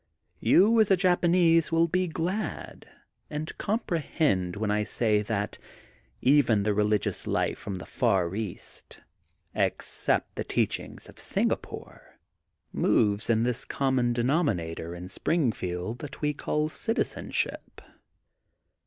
'' Yon, as a Japanese, will be glad and com prehend when I say that even the religions life from the far east, except the teaching of Singapore, moves np into this common de nominator in Springfield that we call citizen ship.